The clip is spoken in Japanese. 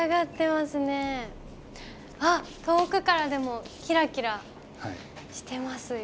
あ遠くからでもキラキラしてますよ。